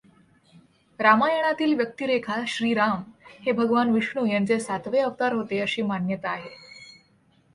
रामायणातील व्यक्तिरेखाश्रीराम हे भगवान विष्णू यांचे सातवा अवतार होते, अशी मान्यता आहे.